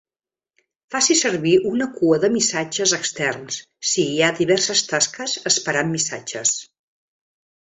Faci servir una cua de missatges externs si hi ha diverses tasques esperant missatges.